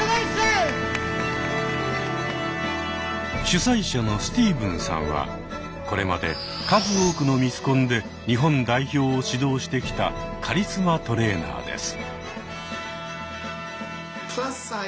主催者のスティーブンさんはこれまで数多くのミスコンで日本代表を指導してきたカリスマトレーナーです。